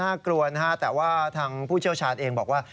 กลัวนะฮะแต่ว่าทางผู้เชี่ยวชาญเองบอกว่า